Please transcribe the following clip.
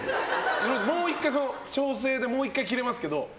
調整でもう１回切れますけど。